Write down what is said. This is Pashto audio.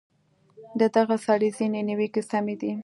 د دغه سړي ځینې نیوکې سمې دي.